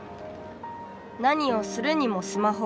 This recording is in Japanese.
何をするにもスマホ。